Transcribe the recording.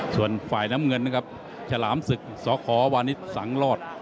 ส่วนฝ่ายน้ำเงินนะครับฉลามศึกสขวานิสสังรอด